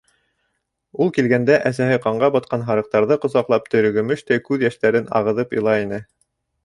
Ул килгәндә әсәһе ҡанға батҡан һарыҡтарҙы ҡосаҡлап, терегөмөштәй күҙ йәштәрен ағыҙып илай ине.